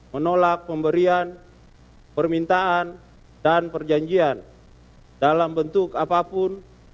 menolak pemberian permintaan dan perjanjian dalam bentuk apapun